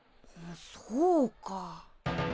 そうか。